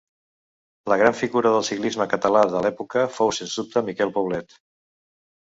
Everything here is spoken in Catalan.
La gran figura del ciclisme català de l'època fou sens dubte Miquel Poblet.